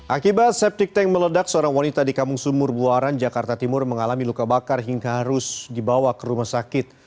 akibat septic tank meledak seorang wanita di kampung sumur buaran jakarta timur mengalami luka bakar hingga harus dibawa ke rumah sakit